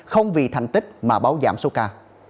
không vì thành tích mà báo giảm số ca